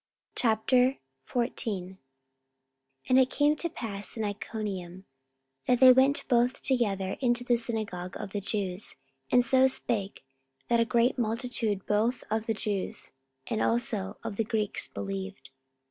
44:014:001 And it came to pass in Iconium, that they went both together into the synagogue of the Jews, and so spake, that a great multitude both of the Jews and also of the Greeks believed.